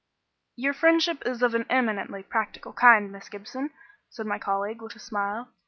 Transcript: "Your friendship is of an eminently practical kind, Miss Gibson," said my colleague, with a smile.